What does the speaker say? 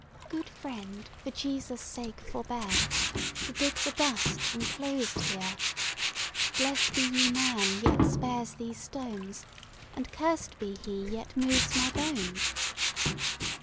"Good frend for Jesus sake forbeare, To digg the dust encloased heare: Blese be ye man yt spares thes stones, And curst be he yt moves my bones."